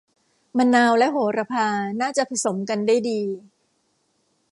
มะนาวและโหระพาน่าจะผสมกันได้ดี